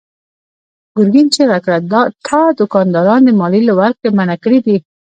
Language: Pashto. ګرګين چيغه کړه: تا دوکانداران د ماليې له ورکړې منع کړي دي.